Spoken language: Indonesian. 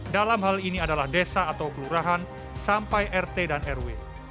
dalam hal ini adalah desa atau kelurahan sampai rt dan rw